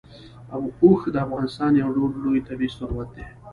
اوښ د افغانستان یو ډېر لوی طبعي ثروت دی.